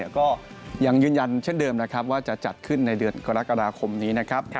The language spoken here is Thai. ก็ยังยืนยันเช่นเดิมว่าจะจัดขึ้นในเดือนกรกฎาคมนี้